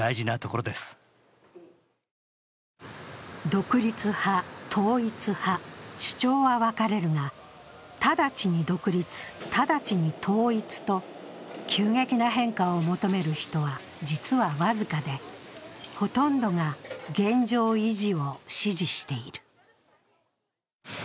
独立派、統一派、主張は分かれるが直ちに独立、直ちに統一と急激な変化を求める人は実は僅かで、ほとんどが現状維持を支持している。